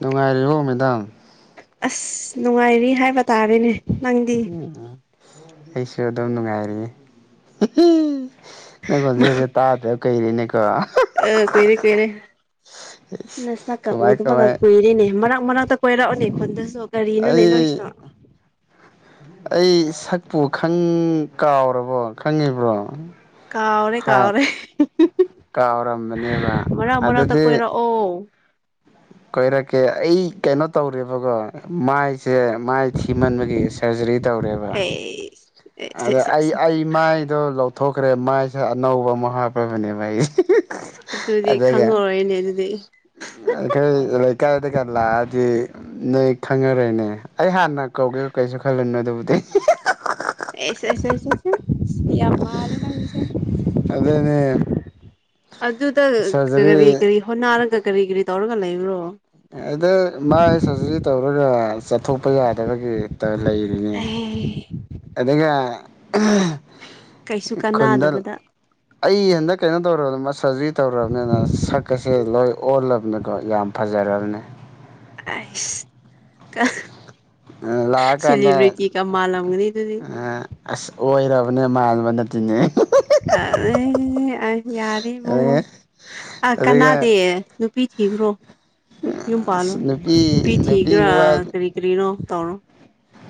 ꯅꯨꯡꯉꯥꯏꯔꯤꯕꯣ ꯃꯦꯗꯥꯝ ꯑꯁ ꯅꯨꯡꯉꯥꯏꯔꯤ ꯍꯥꯏꯕ ꯇꯥꯔꯦꯅꯦ ꯅꯪꯗꯤ ꯎ ꯑꯩꯁꯨ ꯑꯗꯨꯝ ꯅꯨꯡꯉꯥꯏꯔꯤꯌꯦ ꯅꯪ ꯈꯣꯟꯖꯦꯟꯁꯦ ꯇꯥꯗ꯭ꯔꯦ ꯀꯨꯏꯔꯦꯅꯦꯀꯣ ꯑ ꯀꯨꯏꯔ ꯀꯨꯏꯔꯦ ꯅꯁꯛ ꯀ ꯀꯃꯥꯏ ꯎꯗꯕ ꯀꯃꯥꯏ ꯀꯨꯏꯔꯦꯅꯦ ꯃꯔꯛ ꯃꯔꯛ ꯀꯣꯏꯔꯛꯑꯣꯅꯦ ꯈꯨꯟꯗꯁꯨ ꯀꯔꯤꯅꯣꯅꯦ ꯑꯩ ꯅꯣꯏꯁꯨ ꯑꯩ ꯁꯛꯄꯨ ꯈꯪ ꯀꯥꯎꯔꯕꯣ ꯈꯪꯉꯤꯕ꯭ꯔꯣ ꯀꯥꯎꯔꯦ ꯍꯥ ꯀꯥꯎꯔꯦ ꯀꯥꯎꯔꯝꯕꯅꯦꯕ ꯃꯔꯛ ꯃꯔꯛꯇ ꯑꯗꯨꯗꯤ ꯀꯣꯏꯔꯛꯑꯣ [inaudible] ꯀꯣꯏꯔꯛꯀꯦ ꯑꯩ ꯀꯩꯅꯣ ꯇꯧꯔꯦꯕꯀꯣ ꯃꯥꯏꯁꯦ ꯃꯥꯏ ꯊꯤꯃꯟꯕꯒꯤ ꯁꯔꯖꯔꯤ ꯇꯧꯔꯦꯕ ꯑꯩ ꯑꯦ ꯑꯗ ꯑꯩ ꯑꯩ ꯃꯥꯏꯗꯣ ꯂꯧꯊꯣꯛꯈ꯭ꯔꯦ ꯃꯥꯏꯁꯦ ꯑꯅꯧꯕ ꯑꯃ ꯍꯥꯞꯄꯕꯅꯦꯕ ꯑꯩ ꯑꯗꯨꯗꯤ ꯑꯗꯨꯒ ꯈꯪꯉꯔꯣꯏꯅꯦ ꯑꯗꯨꯗꯤ ꯑꯩꯈꯣꯏ ꯂꯩꯀꯥꯏꯗꯒ ꯂꯥꯛꯑꯗꯤ ꯅꯣꯏ ꯈꯪꯉꯔꯣꯏꯅꯦ ꯑꯩ ꯍꯥꯟꯅ ꯀꯧꯒꯦ ꯀꯩꯁꯨ ꯈꯜꯂꯨꯅꯨ ꯑꯗꯨꯕꯨꯗꯤ ꯑꯦꯁꯁꯦ ꯑꯦꯁꯁꯦ ꯌꯥꯝ ꯃꯥꯜꯂꯦ ꯅꯪ ꯑꯗꯨꯅꯦ ꯑꯗꯨꯗ ꯀꯔꯤ ꯁꯔꯖꯔꯤ ꯀꯔꯤ ꯍꯣꯠ ꯅꯥꯔꯒ ꯀꯔꯤ ꯀꯔꯤ ꯇꯧꯔꯒ ꯂꯩꯕ꯭ꯔꯣ ꯑꯗ ꯃꯥꯏ ꯁꯔꯖꯔꯤ ꯇꯧꯔꯒ ꯆꯠꯊꯣꯛꯄ ꯌꯥꯗꯕꯒꯤ ꯂꯩꯔꯤꯅꯤ ꯑꯦ ꯑꯗꯨꯒ ꯀꯩꯁꯨ ꯈꯨꯟꯗꯜ ꯀꯥꯟꯅꯗꯕꯗ ꯑꯩ ꯍꯟꯗꯛ ꯀꯩꯅꯣ ꯇꯧꯔꯕꯅꯤ ꯃꯥꯁꯔꯖꯔꯤ ꯇꯧꯔꯕꯅꯤꯅ ꯁꯛ ꯑꯁꯦ ꯂꯣꯏ ꯑꯣꯜꯂꯕꯅꯤꯀꯣ ꯌꯥꯝ ꯐꯖꯔꯕꯅꯦ ꯑꯩꯁ ꯂꯥꯛꯑꯀꯥꯟꯗ ꯁꯦꯂꯤꯕ꯭ꯔꯤꯇꯤꯒ ꯃꯥꯜꯂꯝꯒꯅꯤ ꯑꯗꯨꯗꯤ ꯑꯁ ꯑꯣꯏꯔꯕꯅꯦ ꯃꯥꯟꯕ ꯅꯠꯇꯦꯅꯦ ꯑꯦ ꯌꯥꯔꯦ ꯏꯕꯨꯡꯉꯣ ꯑ ꯑꯗꯨꯒ ꯀꯅꯥꯗꯦ ꯅꯨꯄꯤ ꯊꯤꯈ꯭ꯔꯣ ꯌꯨꯝ ꯄꯥꯜꯂꯣ ꯅꯨꯄꯤ ꯊꯤꯈ꯭ꯔꯥ ꯀꯔꯤ ꯀꯔꯤꯅꯣ ꯇꯧꯔꯣ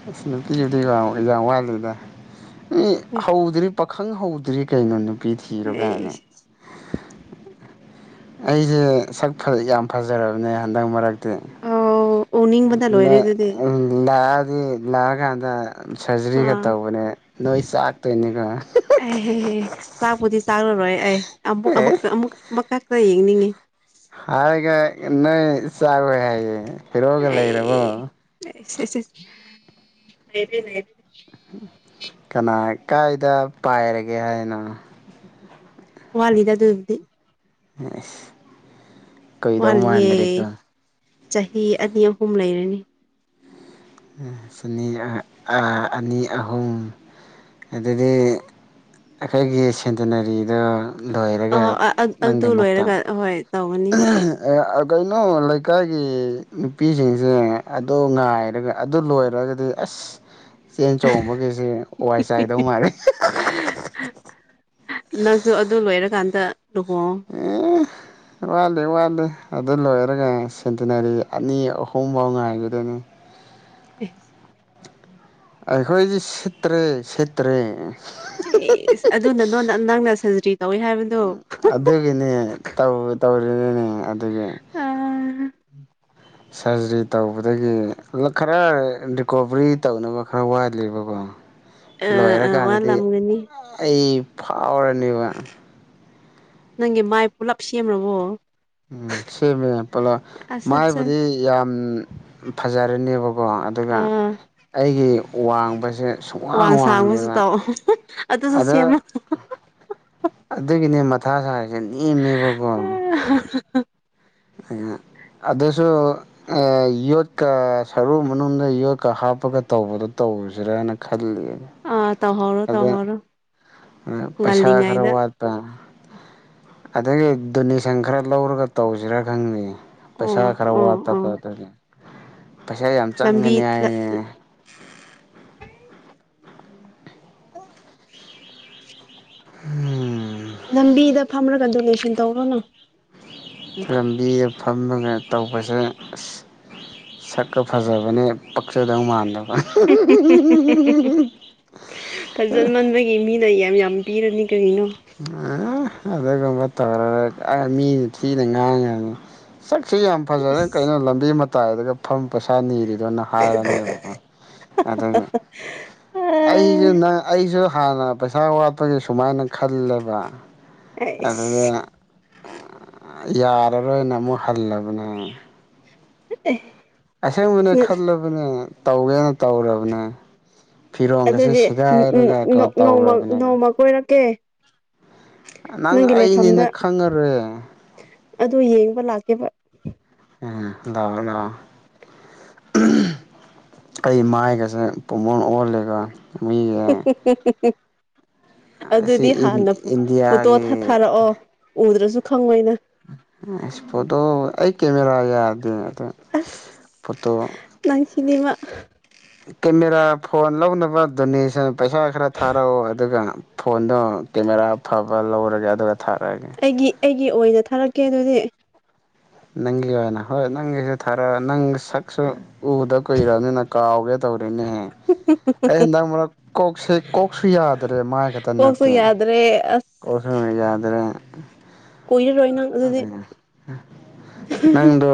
ꯑꯁ ꯅꯨꯄꯤꯒꯤꯗꯤ ꯌꯥꯝ ꯋꯥꯠꯂꯤꯗ ꯃꯤ ꯑꯦ ꯍꯧꯗ꯭ꯔꯤ ꯄꯥꯈꯪ ꯍꯧꯗ꯭ꯔꯤ ꯀꯩꯅꯣ ꯅꯨꯄꯤ ꯊꯤꯔꯣ ꯑꯩ ꯀꯥꯏꯅ ꯑꯩꯁꯦ ꯁꯛ ꯌꯥꯝ ꯐꯖꯔꯕꯅꯦ ꯍꯟꯗꯛ ꯃꯔꯛꯇꯤ ꯑꯧ ꯎꯅꯤꯡꯕꯅ ꯂꯣꯏꯔꯦ ꯅꯪ ꯑꯗꯨꯗꯤ ꯑ ꯂꯥꯛꯑꯗꯤ ꯂꯥꯛꯑ ꯀꯥꯟꯗ ꯁꯔꯖꯔꯤꯒ ꯑꯥ ꯇꯧꯕꯅꯦ ꯅꯣꯏ ꯆꯥꯛꯇꯣꯏꯅꯤꯀꯣ ꯑꯩꯍꯦꯍꯦ ꯆꯥꯛꯄꯗꯤ ꯆꯥꯔꯔꯣꯏ ꯑꯩ ꯑꯃꯨꯛ ꯑꯦ ꯑꯃꯛꯀ ꯑꯃꯨꯛ ꯑꯃꯛ ꯈꯛꯇ ꯌꯦꯡꯅꯤꯡꯉꯤ ꯍꯥꯏꯔꯒ ꯅꯣꯏ ꯆꯥꯔꯣꯏꯍꯥꯏ ꯑꯦ ꯑꯩꯁ ꯑꯁ [unintelligible] ꯀꯅꯥ ꯀꯥꯏꯗ ꯄꯥꯏꯔꯒꯦ ꯍꯥꯏꯅꯣ ꯋꯥꯠꯂꯤꯗ ꯑꯗꯨꯗꯤ ꯑꯁ ꯀꯨꯏꯗꯧ ꯃꯥꯟꯗ꯭ꯔꯦꯀꯣ ꯋꯥꯠꯂꯤꯌꯦ ꯆꯍꯤ ꯑꯅꯤ ꯑꯍꯨꯝ ꯂꯩꯔꯅꯤ꯫ ꯆꯅꯤ ꯑꯅꯤ ꯑꯍꯨꯝ ꯑꯗꯨꯗꯤ ꯑꯩꯈꯣꯏꯒꯤ ꯁꯦꯟꯇꯤꯅꯔꯤꯗꯣ ꯂꯣꯏꯔꯒ ꯑ ꯑꯗꯨ ꯅꯪꯒꯤ ꯃꯇꯝ ꯂꯣꯏꯔꯒ ꯍꯣꯏ ꯇꯧꯒꯅꯤ ꯀꯩꯅꯣ ꯂꯩꯀꯥꯏꯒꯤ ꯅꯨꯄꯤꯁꯤꯡꯁꯦ ꯑꯗꯣ ꯉꯥꯏꯔꯒ ꯑꯗꯨ ꯂꯣꯏꯔꯒꯗꯤ ꯑꯁ ꯆꯦꯟ ꯆꯣꯡꯕꯒꯤꯁꯦ ꯋꯥꯏ ꯆꯥꯏꯗꯧ ꯃꯥꯜꯂꯤ [unintelligible] ꯅꯪꯁꯨ ꯑꯗꯨ ꯂꯣꯏꯔꯀꯥꯟꯗ ꯂꯨꯍꯣꯡ ꯑꯦ ꯋꯥꯠꯂꯤ ꯋꯥꯠꯂꯤ ꯑꯗꯨ ꯂꯣꯏꯔꯒ ꯁꯦꯟꯇꯤꯅꯔꯤ ꯑꯅꯤ ꯑꯍꯨꯝꯕꯥꯎ ꯉꯥꯏꯈꯤꯗꯣꯏꯅꯤ꯫ ꯑꯦ ꯑꯩꯈꯣꯏꯗꯤ ꯁꯤꯠꯇ꯭ꯔꯦ ꯁꯤꯠꯇ꯭ꯔꯦ꯫ ꯑꯦꯁ ꯑꯗꯨꯅ ꯅ ꯅ ꯅꯪꯅ ꯁꯔꯖꯔꯤ ꯇꯧꯋꯤ ꯍꯥꯏꯕꯗꯨ ꯑꯗꯨꯒꯤꯅꯦꯧ ꯇꯧꯔꯤꯅꯤꯅꯦ ꯑꯗꯨꯒꯤ ꯑ ꯁꯔꯖꯔꯤ ꯇꯧꯕꯗꯒꯤ ꯈꯔ ꯔꯤꯀꯣꯕꯔꯤ ꯇꯧꯅꯕ ꯈꯔ ꯋꯥꯠꯂꯤꯕꯀꯣ꯫ ꯑ ꯂꯣꯏꯔꯀꯥꯟꯗꯗꯤ ꯋꯥꯠꯂꯝꯒꯅꯤ ꯑꯩ ꯐꯥꯎꯔꯅꯦꯕ ꯅꯪꯒꯤ ꯃꯥꯏ ꯄꯨꯂꯞ ꯁꯦꯝꯂꯕꯣ ꯎꯝ ꯁꯦꯝꯃꯦ ꯄꯜꯂꯞ ꯑꯁ ꯑꯁ ꯃꯥꯏꯕꯨꯗꯤ ꯑꯁ ꯌꯥꯝ ꯐꯖꯔꯅꯦꯕꯀꯣ ꯀꯣ ꯑꯗꯨꯒ ꯑꯥ ꯑꯩꯒꯤ ꯋꯥꯡꯕꯁꯦ ꯁꯨꯡꯋꯥꯡ ꯋꯥꯡ ꯁꯥꯡꯕꯁꯨ ꯋꯥꯡꯗꯦꯕ ꯇꯧꯑꯣ ꯑꯗꯨꯁꯨ ꯑꯗ ꯁꯦꯝꯃꯣ ꯑꯗꯨꯒꯤꯅꯦ ꯃꯊꯥ ꯁꯥꯔꯤꯁꯦ ꯅꯦꯝꯃꯦꯕꯀꯣ [unintelligible] ꯑꯗꯨꯁꯨ ꯌꯣꯠꯀ ꯁꯔꯨ ꯃꯅꯨꯡꯗ ꯌꯣꯠꯀ ꯍꯥꯞꯄꯒ ꯇꯧꯕꯗꯣ ꯇꯧꯔꯨꯁꯤꯔꯥꯅ ꯈꯜꯂꯤ ꯑꯥ ꯇꯧꯍꯧꯔꯣ ꯇꯧꯍꯧꯔꯣ ꯑ ꯄꯩꯁꯥ ꯈꯔ ꯉꯜꯂꯤꯉꯩꯗ ꯋꯥꯠ ꯑꯗꯨꯒꯤ ꯗꯣꯅꯦꯁꯟ ꯈꯔ ꯂꯧꯔꯒ ꯇꯧꯖꯤꯔꯥ ꯈꯜꯂꯤꯌꯦ꯫ ꯄꯩꯁꯥ ꯑꯣ ꯈꯔ ꯑꯣ ꯑꯣ ꯋꯥꯠꯇꯕꯗꯒꯤ ꯄꯩꯁꯥ ꯌꯥꯝ ꯂꯝꯕꯤ ꯆꯪꯒꯅꯤ ꯍꯥꯏꯌꯦ ꯎꯝ ꯂꯝꯕꯤꯗ ꯐꯝꯔꯒ ꯗꯣꯅꯦꯁꯟ ꯇꯧꯔꯣꯅꯦ ꯂꯝꯕꯤꯗ ꯐꯝꯃꯒ ꯇꯧꯕꯁꯦ ꯁꯛꯀ ꯐꯖꯕꯅꯦ ꯄꯛꯆꯗꯧ ꯃꯥꯟꯗꯕ ꯃꯤꯒꯤ ꯃꯤ ꯅ ꯌꯥꯝ ꯌꯥꯝ ꯄꯤꯔꯅꯤ ꯀꯔꯤꯅꯣ꯫ ꯑꯗꯨꯒꯨꯝꯕ ꯇꯧꯔꯒ ꯃꯤꯅ ꯊꯤꯅ ꯉꯥꯡꯉꯅꯤ ꯁꯛꯁꯤ ꯌꯥꯝ ꯐꯖꯔ ꯏꯁ ꯀꯩꯅꯣ ꯂꯝꯕꯤ ꯃꯇꯥꯏꯔꯒ ꯐꯝ ꯄꯩꯁꯥ ꯅꯤꯔꯤ ꯑꯗꯨꯅ ꯍꯥꯏꯔꯅꯦꯕꯀꯣ ꯑꯗꯨꯅ ꯑꯥ ꯑꯩꯖꯨ ꯅꯪ ꯑꯩꯖꯨ ꯍꯥꯟꯅ ꯄꯩꯁꯥ ꯋꯥꯠꯄꯒꯤ ꯁꯨꯃꯥꯏꯅ ꯈꯜꯂꯦꯕ꯫ ꯑꯗꯨꯗ ꯑꯩꯁ ꯌꯥꯔꯔꯣꯏꯅ ꯑꯃꯨꯛ ꯍꯜꯂꯕꯅꯦ ꯑ ꯑꯁꯪꯕꯅꯦ ꯈꯜꯂꯕꯅꯦ ꯇꯧꯒꯦꯅ ꯇꯧꯔꯕꯅꯦ ꯐꯤꯔꯣꯟꯒꯁꯦ ꯑꯗꯨꯗꯤ ꯁꯦꯒꯥꯏꯔꯒ ꯀꯩ ꯇꯧꯔꯕꯅꯦ꯫ ꯀꯣꯏꯔꯀꯦ꯫ ꯅꯪ ꯑꯩꯅꯦꯅ ꯈꯪꯉꯔꯦ ꯑꯗꯨ ꯌꯦꯡꯕ ꯂꯥꯛꯀꯦꯕ ꯎꯝ ꯂꯑꯣ ꯂꯑꯣ [unintelligible] ꯑꯩ ꯃꯥꯏꯒꯁꯦ ꯄꯨꯝꯃꯣꯟ ꯑꯣꯜꯂꯒ [unintelligible] ꯑꯁꯤ ꯑꯗꯨꯗꯤ ꯍꯥꯟꯅ ꯐꯣꯇꯣ ꯏꯟꯗꯤꯌꯥꯒꯤ ꯊꯥꯊꯥꯔꯛꯑꯣ ꯎꯗ꯭ꯔꯁꯨ ꯈꯪꯉꯣꯏꯅ ꯑꯁ ꯐꯣꯇꯣ ꯑꯩ ꯀꯦꯃꯦꯔꯥ ꯌꯥꯗꯦ ꯑꯗꯣ ꯐꯣꯇꯣ ꯅꯪꯁꯤꯗꯤꯃ ꯀꯦꯃꯦꯔꯥ ꯐꯣꯟ ꯂꯧꯅꯕ ꯗꯣꯅꯦꯁꯟ ꯄꯩꯁꯥ ꯈꯔ ꯊꯥꯔꯛꯑꯣ ꯑꯗꯨꯒ ꯐꯣꯟꯗꯣ ꯀꯦꯃꯦꯔꯥ ꯐꯕ ꯂꯧꯔꯒꯦ ꯑꯗꯨꯒ ꯊꯥꯔꯛꯑꯒꯦ꯫ ꯑꯩꯒꯤ ꯑꯩꯒꯤ ꯑꯣꯏꯅ ꯊꯥꯔꯛꯀꯦ ꯑꯗꯨꯗꯤ ꯅꯪꯒꯤ ꯑꯣꯏꯅ ꯍꯣꯏ ꯅꯪꯒꯤꯁꯨ ꯊꯥꯔꯛꯑꯣ ꯅꯪ ꯁꯛꯁꯨ ꯎꯗ ꯀꯨꯏꯔꯕꯅꯤꯅ ꯀꯥꯎꯒꯦ ꯇꯧꯔꯤꯅꯦꯍꯦ ꯑꯩ ꯍꯟꯗꯛ ꯃꯔꯛ ꯀꯣꯛꯁꯦ ꯀꯣꯛꯁꯨ ꯌꯥꯗ꯭ꯔꯦ ꯃꯥꯏ ꯈꯛꯇ ꯅꯠ ꯒꯣꯢ ꯌꯥꯗ꯭ꯔꯦ ꯑꯁ ꯀꯣ [inaudible] ꯌꯥꯗ꯭ꯔꯦ꯫ ꯀꯣꯏꯔꯔꯣꯏ ꯅꯪ ꯑꯗꯨꯗꯤ ꯑꯗꯨꯅ ꯅꯪꯗꯣ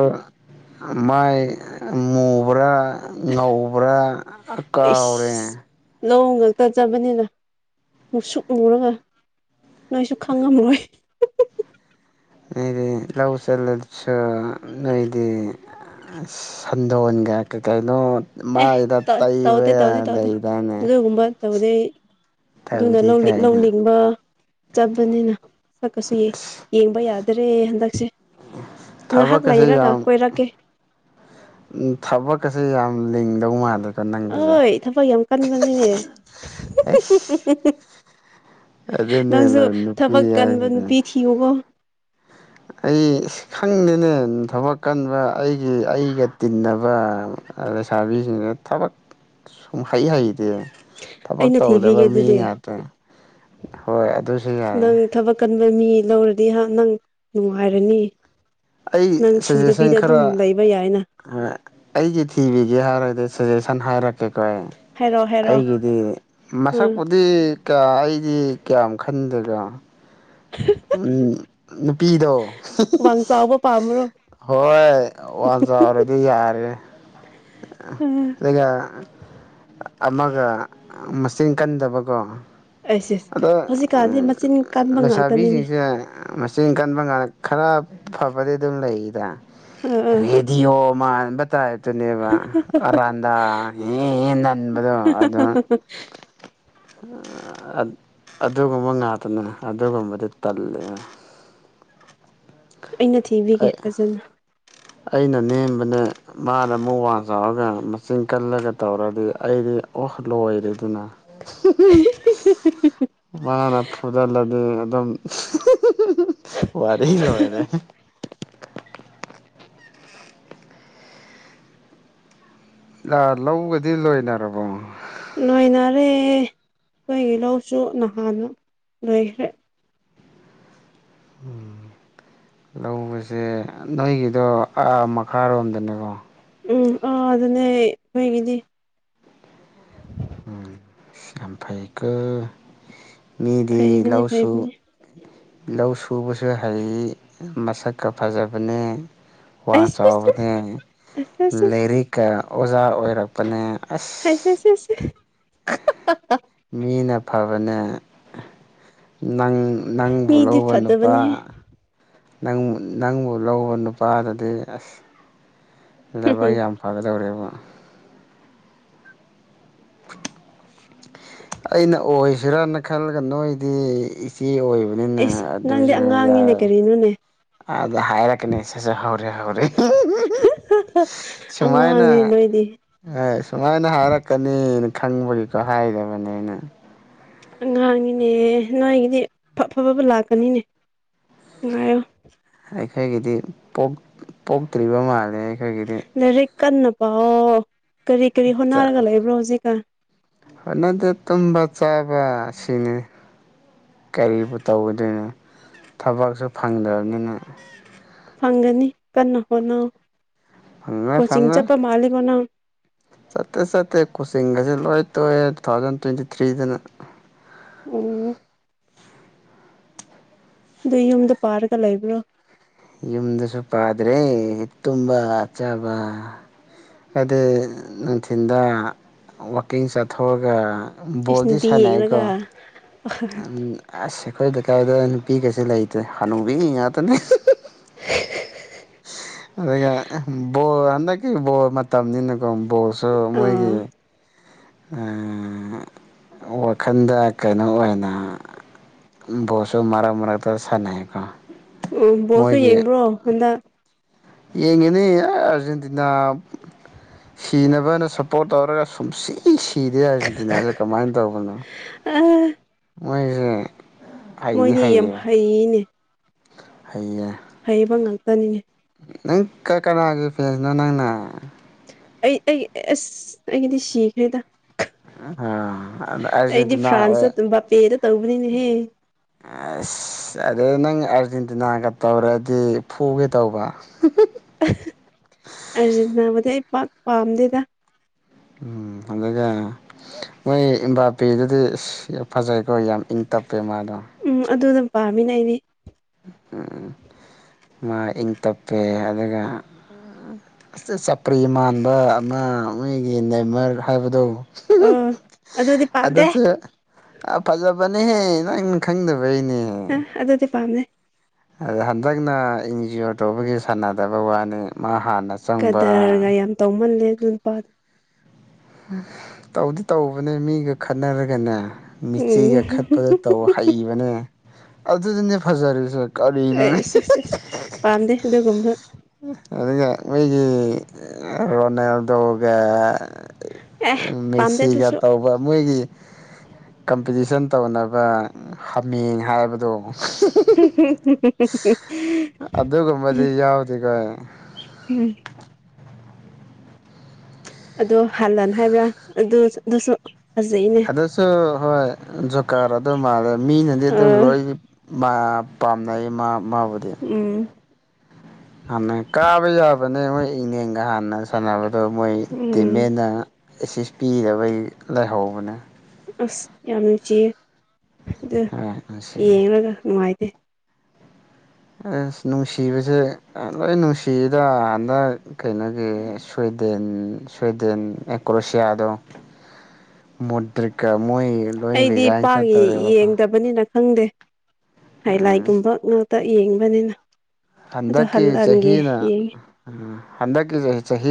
ꯃꯥꯏ ꯃꯨꯕ꯭ꯔꯥ ꯉꯧꯕ꯭ꯔꯥ ꯀꯥꯎꯔꯦ ꯏꯁ ꯂꯧ ꯉꯛꯇ ꯆꯠꯄꯅꯤꯅ ꯃꯨꯁꯨꯛ ꯃꯨꯔꯒ ꯅꯣꯏꯁꯨ ꯈꯪꯉꯝꯔꯣꯏ ꯑꯩꯗꯤ ꯂꯧ ꯆꯠꯂꯁꯨ ꯅꯣꯏꯗꯤ ꯁꯟꯗꯣꯟꯒ ꯀꯩꯀꯩꯅꯣ ꯑꯦ ꯇꯧ ꯇꯧꯗꯦ ꯇꯧꯗꯦ ꯇꯧꯗꯦ ꯂꯩꯗꯥꯏꯅꯦ ꯑꯗꯨꯒꯨꯝꯕ ꯇꯧꯗꯦ ꯑꯩ ꯑꯗꯨꯅ ꯇꯧꯗꯦ ꯀꯥꯏꯅ ꯂꯧꯂꯤꯡꯕ ꯆꯠꯄꯅꯤꯅ ꯁꯛꯀꯁꯤ ꯌꯦꯡꯕ ꯌꯥꯗ꯭ꯔꯦ ꯍꯟꯗꯛꯁꯦ꯫ ꯉꯥꯏꯍꯥꯛ ꯊꯕꯛꯀꯁꯦ ꯂꯩꯔꯒ ꯌꯥꯝ ꯀꯣꯏꯔꯛꯀꯦ ꯊꯕꯛꯀꯁꯦ ꯌꯥꯝ ꯂꯤꯡꯗꯧ ꯃꯥꯂꯦ꯫ ꯍꯣꯏ ꯊꯕꯛ ꯌꯥꯝ ꯀꯟꯕꯅꯤꯅꯦ ꯑꯩꯁ ꯅꯪꯖꯨ ꯑꯗꯨꯅꯦ ꯊꯕꯛ ꯅꯨꯄꯤ ꯀꯟꯕ ꯍꯥꯏꯁꯤꯗꯤ ꯅꯨꯄꯤ ꯊꯤꯌꯨꯀꯣ꯫ ꯑꯩ ꯈꯪꯗꯦꯅꯦ ꯊꯕꯛ ꯀꯟꯕ ꯑꯩꯒꯤ ꯑꯩꯒ ꯇꯤꯟꯅꯕ ꯑ ꯂꯩꯁꯥꯕꯤꯁꯤꯅ ꯊꯕꯛ ꯁꯨꯡꯍꯩ ꯍꯩꯇꯦ꯫ ꯊꯕꯛ ꯑꯩꯅ ꯇꯧꯗꯕ ꯊꯤꯕꯤꯒꯦ ꯃꯤ ꯑꯗꯨꯗꯤ ꯉꯥꯛꯇ ꯍꯣꯏ ꯑꯗꯨꯁꯨ ꯌꯥꯏ ꯅꯪ ꯊꯕꯛ ꯀꯟꯕ ꯃꯤ ꯂꯧꯔꯗꯤ ꯍꯥ ꯅꯪ ꯅꯨꯡꯉꯥꯏꯔꯅꯤ ꯑꯩ ꯅꯪ ꯁꯖꯦꯁꯟ ꯁꯨꯗꯕꯤꯗ ꯑꯗꯨꯝ ꯈꯔ ꯂꯩꯕ ꯌꯥꯏꯅ꯫ ꯑꯩꯒꯤ ꯊꯤꯕꯤꯒꯦ ꯍꯥꯏꯔꯗꯤ ꯁꯖꯦꯁꯟ ꯍꯥꯏꯔ ꯀꯣ ꯍꯥꯏꯔꯛꯑꯣ ꯍꯥꯏꯔꯛꯑꯣ ꯑꯩꯒꯤꯗꯤ ꯎꯝ ꯃꯁꯛꯄ ꯇꯤ ꯀꯌꯥ ꯑꯩꯗꯤ ꯀꯌꯥꯝ ꯈꯟꯗꯦꯗ꯫ [unintelligible] ꯎꯝ ꯅꯨꯄꯤꯗꯣ ꯍꯧꯔꯣ ꯍꯣꯏ ꯋꯥꯡ ꯆꯥꯎꯔꯗꯤ ꯌꯥꯔꯦ ꯎꯝ ꯑꯗꯨꯒ ꯑꯃꯒ ꯃꯆꯤꯟ ꯀꯟꯗꯕꯀꯣ ꯑꯩꯁ ꯑꯁ ꯑꯗꯣ ꯍꯧꯖꯤꯛꯀꯥꯟꯗꯤ ꯃꯆꯤꯟ ꯀꯟꯕ ꯉꯥꯛꯇꯅꯤꯅꯦ ꯂꯩꯁꯥꯕꯤꯁꯤꯡꯁꯦ ꯃꯆꯤꯟ ꯀꯟꯕ ꯉꯥꯛ ꯈꯔ ꯐꯕꯗꯤ ꯑꯗꯨꯝ ꯂꯩꯗ ꯑꯥ ꯑꯥ ꯃ [inaudible] ꯟꯕ ꯑꯗꯨꯨꯅꯦꯕ ꯑꯔꯥꯟꯗꯥ [inaudible] ꯅꯟꯕꯗꯣ ꯑꯗꯨ ꯑꯗꯨꯒꯨꯝꯕ ꯉꯥꯛꯇꯅꯦ ꯑꯗꯨꯒꯨꯝꯕꯗꯤ ꯇꯜꯂꯦ꯫ ꯏꯩꯅ [inaudible] ꯑꯩꯅ ꯅꯦꯝꯕꯅꯦ ꯃꯥꯅ ꯑꯃꯨꯛ ꯋꯥ ꯆꯥꯎꯔꯒ ꯃꯆꯤꯟ ꯀꯜꯂꯒ ꯇꯧꯔꯗꯤ ꯑꯩꯗꯤ ꯑꯣ ꯂꯣꯏꯔꯦꯗꯅ ꯃꯥꯅ ꯐꯨꯗꯤꯠꯂꯗꯤ ꯑꯗꯨꯝ ꯋꯥꯔꯤ ꯂꯣꯏꯔꯦ꯫ ꯑ ꯂꯧꯒꯗꯤ ꯂꯣꯏꯅꯔꯕꯣ꯫ ꯂꯣꯏꯅꯔꯦ ꯈꯣꯏꯒꯤ ꯂꯧꯁꯨ ꯅꯍꯥꯟ ꯂꯣꯏꯈ꯭ꯔꯦ ꯎꯝ ꯂꯧꯖꯦ ꯅꯣꯏꯒꯤꯗꯣꯥ ꯑꯥ ꯃꯈꯥꯔꯣꯝꯗꯅꯦꯀꯣ ꯎꯝ ꯑꯥ ꯑꯗꯨꯅꯦ ꯑꯩꯣꯏꯒꯤꯗꯤ ꯎꯝ ꯌꯥꯝꯝꯐꯩꯒ ꯃꯤꯗꯤ ꯐꯩꯕꯅꯤ ꯂꯧꯁꯨ ꯐꯩꯕꯅꯤ ꯂꯧ ꯁꯨꯕꯁꯨ ꯍꯩ ꯃꯁꯛꯀ ꯐꯖꯕꯅꯦ ꯋꯥ ꯑꯁ ꯆꯥꯎꯕꯅꯦ ꯂꯥꯏꯔꯤꯛꯀ ꯑꯣꯖꯥ ꯑꯣꯏꯔꯛꯄꯅꯦ ꯑꯁ ꯁꯦꯁꯦꯁꯦ ꯍꯥ ꯃꯤꯅ ꯐꯕꯅꯦ ꯅꯪ ꯅꯪꯕꯨ ꯃꯤꯗꯤ ꯂꯧꯕ ꯅꯨꯄꯥ ꯐꯠꯇꯕꯅꯤꯍꯦ ꯅꯪꯕꯨ ꯂꯧꯕ ꯅꯨꯄꯥꯗꯗꯤ ꯑꯁ ꯂꯕꯥꯛ ꯌꯥꯝ ꯐꯒꯗꯧꯔꯦꯕ ꯑꯩꯅ ꯑꯣꯏꯁꯤꯔꯅ ꯈꯜꯂꯒ ꯅꯣꯏꯗꯤ ꯆꯦ ꯑꯣꯏꯕꯅꯤꯅ ꯑꯗꯨꯁꯨ ꯌꯥꯔ ꯗꯨꯅꯦ ꯑꯗ ꯍꯥꯏꯔꯛꯀꯅꯦꯁꯦꯁꯦ ꯍꯧꯔꯦ ꯍꯧꯔꯤ ꯑꯉꯥꯡꯅꯦ ꯅꯣꯏꯗꯤ ꯑꯦ ꯁꯨꯃꯥꯏꯅ ꯍꯥꯏꯔꯛꯀꯅꯤꯅ ꯈꯪꯕꯒꯤꯀꯣ ꯍꯥꯏꯗꯕꯅꯦ ꯑꯩꯅ ꯑꯉꯥꯡꯒꯤꯅꯦ ꯅꯥꯏꯒꯤꯗꯤꯐꯕꯕ ꯂꯥꯛꯀꯅꯤꯅꯦ ꯉꯥꯏꯌꯣ ꯑꯩꯈꯣꯏꯒꯤꯗꯤ ꯄꯣꯛ ꯄꯣꯛꯇ꯭ꯔꯤꯕ ꯃꯥꯜꯂꯦ ꯑꯩꯈꯣꯏꯒꯤꯗꯤ ꯂꯥꯏꯔꯤꯛ ꯀꯟꯅ ꯄꯥꯑꯣ ꯀꯔꯤ ꯀꯔꯤ ꯍꯣꯠꯅꯔꯒ ꯂꯩꯕ꯭ꯔꯣ ꯍꯧꯖꯤꯛꯀꯥꯟ ꯅꯗꯤ ꯇꯨꯝꯕ ꯆꯥꯕ ꯑꯁꯤꯅꯤ ꯀꯔꯤꯕꯨ ꯇꯧꯗꯣꯏꯅꯣ ꯊꯕꯛꯁꯨ ꯐꯪꯗꯕꯅꯤꯅ ꯐꯪꯒꯅꯤ ꯀꯟꯅ ꯍꯣꯠꯅꯧ ꯐꯪꯉꯣꯏ ꯀꯣꯆꯤꯡ ꯐꯪꯉꯣꯏ ꯆꯠꯄ ꯃꯥꯜꯂꯤꯕꯣ ꯅꯪ ꯆꯠꯇꯦ ꯆꯠꯇꯦ ꯀꯨꯁꯤꯡꯒꯁꯦ ꯂꯣꯏ ꯇꯣꯛꯑꯦ ꯇꯨ ꯊꯥꯎꯖꯟ ꯇ꯭ꯋꯦꯟꯇꯤ ꯊ꯭ꯔꯤꯗꯅ ꯑꯣ ꯑꯗꯨ ꯌꯨꯝꯗ ꯄꯥꯔꯒ ꯂꯩꯕ꯭ꯔꯣ ꯌꯨꯝꯗꯁꯨ ꯄꯥꯗ꯭ꯔꯦ ꯇꯨꯝꯕ ꯆꯥꯕ ꯍꯥꯏꯗꯤ ꯅꯨꯡꯊꯤꯟꯗ ꯋꯥꯀꯤꯡ ꯆꯠꯊꯣꯛꯑꯒ ꯏꯁ ꯕꯣꯜꯗꯤ ꯅꯨꯄꯤ ꯁꯥꯟꯅꯩꯀꯣ ꯌꯦꯡꯂꯒ ꯎꯝ ꯑꯁ ꯑꯩꯈꯣꯏ ꯀꯥꯏꯗ ꯅꯨꯄꯤꯒꯩꯁꯨ ꯂꯩꯇ꯭ꯔꯦ ꯍꯅꯨꯕꯤ ꯉꯥꯛꯇꯅꯦ [inaudible] ꯑꯗꯨꯒ ꯕꯣꯜ ꯍꯟꯗꯛꯀꯤ ꯕꯣꯜ ꯃꯇꯝꯅꯤꯅꯀꯣ ꯕꯣꯜꯁꯨ ꯃꯣꯏꯒꯤ ꯑꯥ ꯑ ꯋꯥꯈꯜꯗ ꯀꯩꯅꯣ ꯑꯣꯏꯅ ꯣꯁꯣ ꯃꯔꯛꯒ ꯃꯔꯛꯒꯗꯁꯥꯅ ꯀꯣ ꯎꯝ ꯕꯣꯁꯁꯨ ꯌꯦꯡꯕ꯭ꯔꯣ ꯍꯟꯗꯛ ꯌꯦꯡꯉꯤꯅꯤ ꯑꯥꯔꯖꯦꯟꯇꯤꯅꯥ ꯁꯤꯅꯕꯅ ꯁꯞꯄꯣꯔꯠ ꯇꯧꯔꯒ ꯁꯨꯝꯁꯤ ꯁꯤ ꯁꯤꯗꯦ ꯑꯔꯖꯦꯟꯇꯤꯅ ꯖꯦ ꯀꯃꯥꯏꯅ ꯇꯧꯕꯅꯣ ꯑꯥ ꯃꯣꯏꯁꯦ ꯍꯩꯗꯤ ꯃꯣꯏꯗꯤ ꯌꯥꯝ ꯍꯩꯌꯦ ꯍꯩꯌꯦꯅꯦ ꯍꯩꯌꯦ ꯍꯩꯕ ꯉꯥꯛꯇꯅꯤꯅꯦ ꯅꯪ ꯀꯅꯥꯒꯤ ꯐ꯭ꯔꯦꯟꯁꯅꯣ ꯅꯪꯅ ꯑꯩ ꯑꯩ ꯑꯁ ꯑꯩꯒꯤꯗꯤ ꯁꯤꯈ꯭ꯔꯦꯗ ꯑꯩꯗꯤ ꯑꯥꯔꯖꯦꯟꯇꯤꯅꯥ ꯑꯣꯏ ꯐ꯭ꯔꯥꯟꯁꯇ ꯕꯥꯄꯦꯗ ꯇꯧꯕꯅꯤꯅꯦꯍꯦ ꯑ ꯑꯁ ꯑꯗꯩ ꯅꯪ ꯑꯥꯔꯖꯦꯟꯇꯤꯅꯥꯒ ꯇꯧꯔꯗꯤ ꯐꯨꯒꯦ ꯇꯧꯕ ꯑꯥꯔꯖꯦꯟꯇꯤꯅꯥꯕꯨꯗꯤ ꯑꯩ ꯄꯥꯛ ꯄꯥꯝꯗꯦꯗ ꯎꯝ ꯍꯜꯂꯒꯦ ꯃꯣꯏ ꯏꯕꯥꯄꯤꯗꯨꯗꯤ ꯐꯖꯩꯀꯣ ꯌꯥꯝ ꯏꯪ ꯇꯞꯄꯦ ꯃꯥꯗꯣ ꯎꯝ ꯑꯗꯨꯅ ꯄꯥꯝꯃꯤꯅꯦ ꯑꯩꯗꯤ ꯎꯝ ꯃꯥ ꯏꯪ ꯇꯞꯄꯦ ꯑꯗꯨꯒ ꯑꯁ ꯆꯞꯄ꯭ꯔꯤ ꯃꯥꯟꯕ ꯑꯃ ꯃꯣꯏꯒꯤ ꯅꯦꯃꯔ ꯍꯥꯏꯕꯗꯣ ꯑꯥ ꯑꯗꯨꯗꯤ ꯑꯗꯣ ꯄꯥꯝꯗꯦ ꯆꯦ ꯑꯥ ꯐꯖꯕꯅꯦꯍꯦ ꯅꯪ ꯈꯪꯗꯕꯩꯅꯦ ꯑ ꯑꯗꯨꯗꯤ ꯄꯥꯝꯃꯦ ꯑꯗ ꯍꯟꯗꯛꯅ ꯑꯦꯟꯖꯤ ꯑꯣ ꯇꯧꯕꯒꯤ ꯁꯥꯟꯅꯗꯕ ꯋꯥꯅꯤ ꯃꯥ ꯍꯥꯟꯅ ꯆꯪꯕ ꯀꯗ꯭ꯔꯒ ꯌꯥꯝ ꯇꯧꯃꯜꯂꯦ ꯑꯗꯨ ꯅꯨꯄꯥ ꯇꯧꯗꯤ ꯇꯧꯕꯅꯦ ꯃꯤꯒ ꯈꯠꯅꯔꯒꯅꯦ ꯃꯤꯆꯤꯒ ꯎꯝ ꯈꯠꯄꯗ ꯇꯧ ꯍꯩꯕꯅꯦ ꯑꯗꯨꯗꯅꯦ ꯐꯖꯔꯤꯁꯦ ꯑꯦ ꯀꯔꯤꯅꯣꯅꯦ ꯏꯁ ꯏꯁ ꯏꯁ ꯄꯥꯝꯗꯦ ꯑꯗꯨꯒꯨꯝꯕ ꯑꯗꯨꯒ ꯃꯣꯏꯒꯤ ꯔꯣꯅꯥꯜꯗꯣꯒ ꯑꯦ ꯄꯥꯝꯗꯦ ꯃꯦꯁꯤꯒ ꯑꯗꯨꯁꯨ ꯇꯧꯕ ꯃꯣꯏꯒꯤ ꯀꯝꯄꯤꯇꯤꯁꯟ ꯇꯧꯅꯕ ꯍꯥꯃꯦꯡ ꯍꯥꯏꯕꯗꯣ [unintelligible] ꯑꯗꯨꯒꯨꯝꯕꯗꯤ ꯌꯥꯎꯗꯦ ꯀꯣꯏ ꯎꯝ ꯑꯗꯣ ꯍꯥꯟꯅꯟ ꯍꯥꯏꯕ꯭ꯔꯥ ꯑꯗꯨ ꯑꯗꯨꯁꯨ ꯐꯖꯩꯅꯦ ꯑꯗꯨꯁꯨ ꯍꯣꯏ ꯖꯣꯀꯥꯔ ꯑꯗꯨꯝ ꯃꯥꯜꯂꯦ ꯃꯤꯅꯗꯤ ꯑꯗꯨꯝ ꯑꯥ ꯂꯣꯏ ꯃꯥ ꯄꯥꯝꯅꯩ ꯃꯥ ꯃꯥꯕꯨꯗꯤ ꯎꯝ ꯍꯥꯟꯅ ꯀꯥꯕ ꯌꯥꯕꯅꯦ ꯃꯣꯏ ꯏꯪꯅꯦꯛꯒ ꯍꯥꯟꯅ ꯁꯥꯟꯅꯕꯗꯣ ꯃꯣꯏ ꯎꯝ ꯇꯤꯝꯃꯦꯠꯅ ꯑꯦꯁꯤꯁ ꯄꯤꯗꯕꯩ ꯂꯩꯥꯍꯧꯕꯅꯦ ꯑꯁ ꯌꯥꯝ ꯅꯨꯡꯆꯤꯌꯦ ꯑꯗꯨ ꯍꯣꯏ ꯅꯨꯡꯁꯤ ꯌꯦꯡꯔꯒ ꯅꯨꯡꯉꯥꯏ ꯑꯁ ꯅꯨꯡꯁꯤꯕꯁꯦ ꯂꯣꯏ ꯅꯨꯡꯁꯤꯏꯗꯥ ꯍꯟꯗꯛ ꯀꯩꯅꯣꯒꯤ ꯁ꯭ꯋꯦꯗꯦꯟ ꯁ꯭ꯋꯦꯗꯦꯟ ꯑꯦ ꯀ꯭ꯔꯣꯁꯤꯌꯥꯗꯣ ꯃꯣꯗ꯭ꯔꯤꯛꯀ ꯃꯣꯏ ꯂꯣꯏ ꯑꯩꯗꯤ ꯔꯤꯖꯥꯏ꯭ꯟ ꯄꯥꯛ ꯆꯠꯇꯧꯔꯦꯕꯀꯣ ꯌꯦꯡꯗꯕꯅꯤꯅ ꯈꯪꯗꯦ ꯎꯝ ꯍꯥꯏꯂꯥꯏꯒꯨꯝꯕ ꯉꯥꯛꯇ ꯌꯦꯡꯕꯅꯤꯅ ꯑꯗꯨ ꯍꯟꯗꯛꯀꯤ ꯍꯜꯂꯥꯜꯒꯤ ꯆꯍꯤꯅ ꯌꯦꯡꯉꯤ ꯎꯝ ꯍꯟꯗꯛꯀꯤꯖꯦ ꯆꯍꯤ